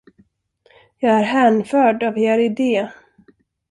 Jag är hänförd av er idé.